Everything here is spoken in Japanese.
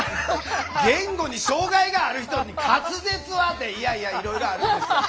言語に障害がある人に「滑舌は」て。いやいやいろいろあるんですよ。